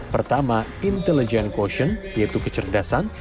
pertama intelligent quotient yaitu kecerdasan